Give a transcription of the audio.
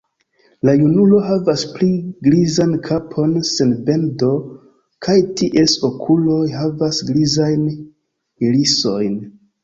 La junulo havas pli grizan kapon sen bendo kaj ties okuloj havas grizajn irisojn.